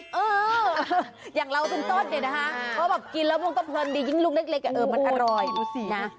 เอออย่างเราส่วนต้นเนี่ยนะฮะเพราะแบบกินแล้วมุมต้นดียิ่งลูกเล็กมันอร่อยนะ